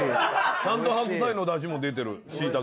ちゃんと白菜のだしも出てるシイタケも。